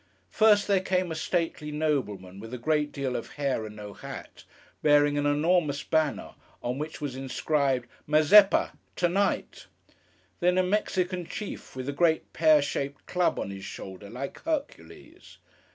First, there came a stately nobleman with a great deal of hair, and no hat, bearing an enormous banner, on which was inscribed, MAZEPPA! TO NIGHT! Then, a Mexican chief, with a great pear shaped club on his shoulder, like Hercules.